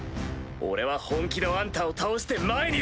俺は本気のアンタを倒して前に進む！